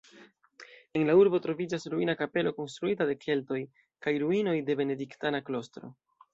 En la urbo troviĝas ruina kapelo konstruita de keltoj kaj ruinoj de benediktana klostro.